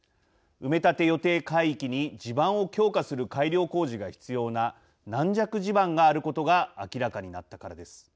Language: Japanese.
埋め立て予定海域に地盤を強化する改良工事が必要な軟弱地盤があることが明らかになったからです。